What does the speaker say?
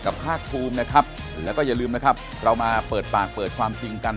ภาคภูมินะครับแล้วก็อย่าลืมนะครับเรามาเปิดปากเปิดความจริงกัน